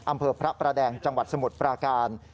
อำเภอพระประแดงจังหวัดสมุทรปราการ